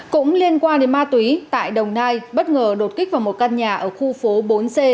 cũng liên quan đến ma túy tại đồng nai bất ngờ đột kích vào một căn nhà ở khu phố bốn c